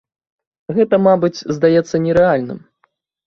Гэта, мабыць, здаецца нерэальным.